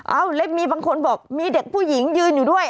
แล้วมีบางคนบอกมีเด็กผู้หญิงยืนอยู่ด้วย